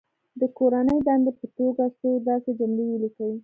د کورنۍ دندې په توګه څو داسې جملې ولیکي.